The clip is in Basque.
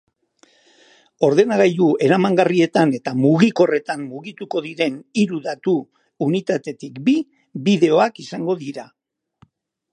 Ordenagailu eramangarrietan eta mugikorretan mugituko diren hiru datu-unitatetik bi, bideoak izango dira.